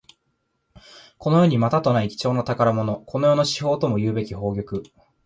この世にまたとない貴重な宝物。この世の至宝ともいうべき宝玉。